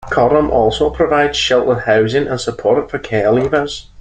Coram also provides sheltered housing and support for care leavers.